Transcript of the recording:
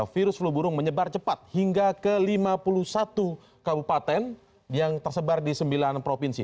virus flu burung menyebar cepat hingga ke lima puluh satu kabupaten yang tersebar di sembilan provinsi